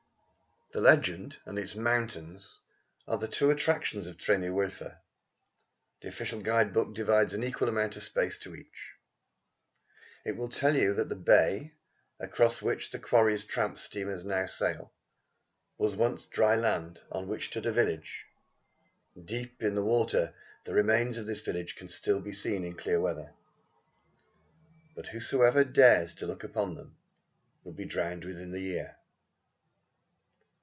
The legend and the mountains are the two attractions of Tryn yr Wylfa the official guidebook devotes an equal amount of space to each. It will tell you that the bay, across which the quarry's tramp steamers now sail, was once dry land on which stood a village. Deep in the water the remains of this village can still be seen in clear weather. But whosoever dares to look upon them will be drowned within the year.